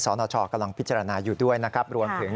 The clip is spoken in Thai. สนกำลังพิจารณาอยู่ด้วยนะครับ